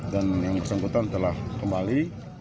dan yang kesenggotaan telah kembali